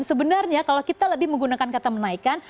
sebenarnya kalau kita lebih menggunakan kata menaikkan